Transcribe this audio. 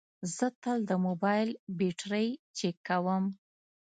زه تل د موبایل بیټرۍ چیکوم.